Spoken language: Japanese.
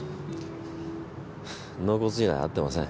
納骨以来会ってません。